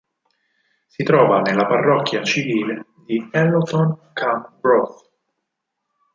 Si trova nella parrocchia civile di Elloughton-cum-Brough.